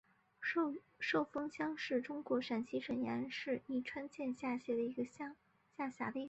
寿峰乡是中国陕西省延安市宜川县下辖的一个乡。